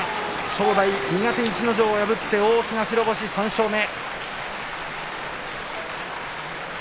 正代、苦手逸ノ城を破って大きな白星、３勝目。